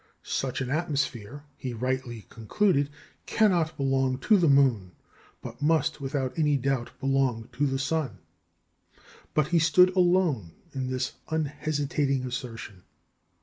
"Such an atmosphere," he rightly concluded, "cannot belong to the moon, but must without any doubt belong to the sun." But he stood alone in this unhesitating assertion.